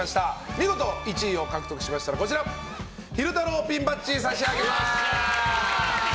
見事１位を獲得されましたら昼太郎ピンバッジを差し上げます。